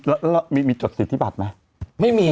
แล้วมีมีจดสิทธิบัตรไหม